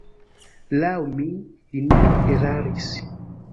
Laŭ mi, li ne eraris.